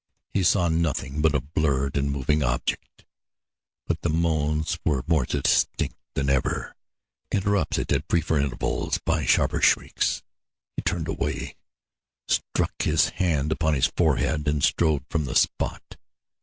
He saw nothing but a blurred and moving object, but the moans were more distinct than ever, interrupted at briefer intervals by sharper shrieks. He turned away, struck his hand upon his forehead, and strode from the spot.